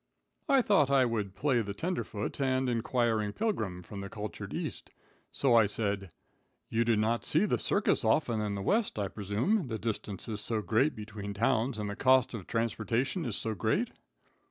I thought I would play the tenderfoot and inquiring pilgrim from the cultured East, so I said: "You do not see the circus often in the West, I presume, the distance is so great between towns and the cost of transportation is so great?"